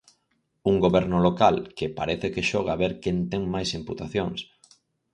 Un goberno local "que parece que xoga a ver quen ten máis imputacións".